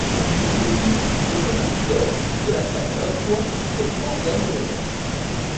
Ce géophyte possède un corme de la taille d’un pois comme organe de réserve.